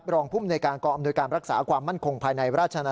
รองพุ่มในการกรอบโดยการรักษาความมั่นคงภายในราชนะ